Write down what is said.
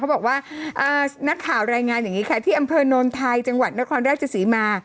บอกว่านักข่าวรายงานอย่างนี้ค่ะที่อำเภอโนนไทยจังหวัดนครราชศรีมา